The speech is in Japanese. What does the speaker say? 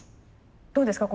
どうですか？